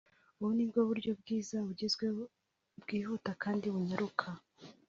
ubu ni uburyo bwiza bugezweho bwihuta kandi bunyaruka